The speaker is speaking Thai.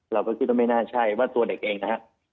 เราก็คิดว่าไม่น่าใช่ว่าตัวเด็กเองนะฮะ